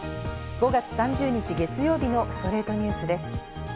５月３０日、月曜日の『ストレイトニュース』です。